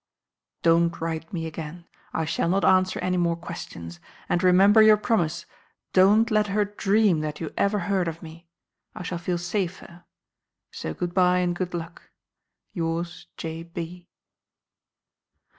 "Don't write me again. I shall not answer any more questions. And, remember your promise, don't let her dream that you ever heard of me. I shall feel safer. So good bye and good luck. Yours, J. B."